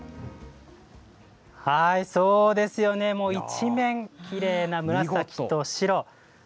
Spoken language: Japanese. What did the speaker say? そうですよね、もう一面、きれいな紫と白。